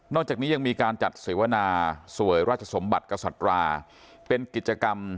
จากนี้ยังมีการจัดเสวนาสวยราชสมบัติกษัตราเป็นกิจกรรม